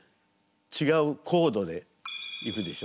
違うコードでいくでしょ。